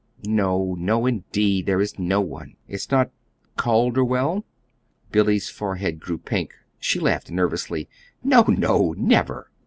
"No, no, indeed! There is no one." "It's not Calderwell?" Billy's forehead grew pink. She laughed nervously. "No, no, never!"